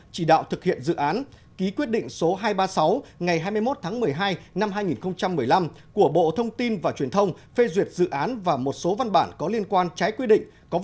chỉ đạo thực hiện dự án ký quyết định số hai trăm ba mươi sáu ngày hai mươi một tháng một mươi hai năm hai nghìn một mươi năm của bộ thông tin và truyền thông phê duyệt dự án và một số văn bản có liên quan trái quy định